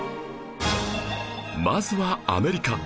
まずはアメリカ